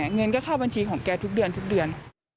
เงินก็เข้าบัญชีของแกทุกเดือน